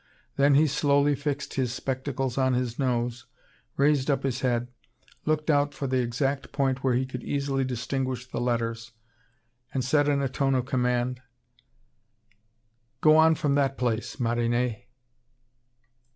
Then, he slowly fixed his spectacles on his nose, raised up his head, looked out for the exact point where he could easily distinguish the letters, and said in a tone of command: "Go on from that place, Marinet."